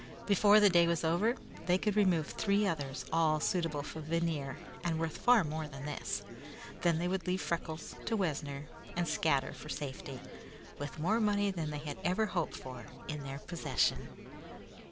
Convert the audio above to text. Before the day was over, they could remove three others, all suitable for veneer and worth far more than this. Then they would leave Freckles to Wessner and scatter for safety, with more money than they had ever hoped for in their possession.